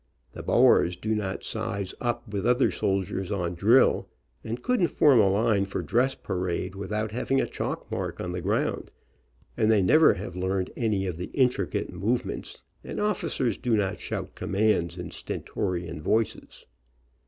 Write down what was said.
14 THE SOLDIER AND BRANDING IRON The Boers do not size up with other soldiers on drill, and couldn't form a line for dress parade without having a chalk mark on the ground, and they have never learned any of the intricate movements, and officers do not shout commands in stentorian voices.